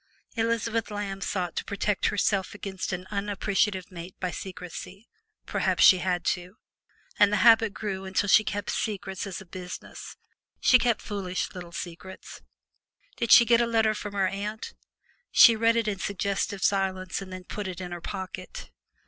Elizabeth Lamb sought to protect herself against an unappreciative mate by secrecy (perhaps she had to), and the habit grew until she kept secrets as a business she kept foolish little secrets. Did she get a letter from her aunt, she read it in suggestive silence and then put it in her pocket.